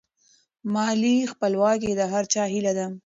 مالي خپلواکي د هر چا هیله ده.